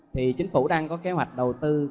thì chính phủ đang có kế hoạch đầu tiên